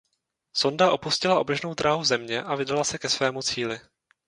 Sonda opustila oběžnou dráhu Země a vydala se ke svému cíli.